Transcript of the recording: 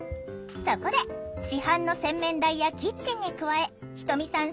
そこで市販の洗面台やキッチンに加えひとみさん